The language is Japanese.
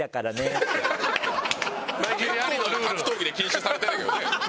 結構格闘技で禁止されてるけどね。